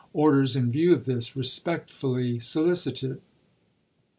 Orders, in view of this, respectfully solicited.'"